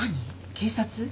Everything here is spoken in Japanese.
警察？